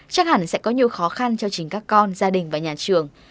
chắc hẳn sẽ có nhiều khó khăn cho chính các con gia đình và nhà trường